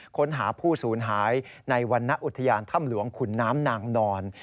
ค้นหาผู้สูญหายในวรรณอุทยานถ้ำหลวงขุนน้ำนางนอน